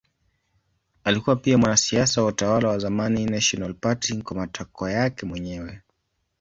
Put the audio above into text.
Alikuwa pia mwanasiasa wa utawala wa zamani National Party kwa matakwa yake mwenyewe.